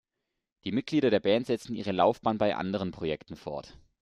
Die Mitglieder der Band setzten ihre Laufbahn bei anderen Projekten fort.